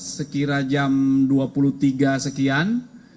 sekira jam dua puluh tiga sekian